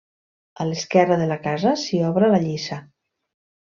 A l'esquerra de la casa s'hi obra la lliça.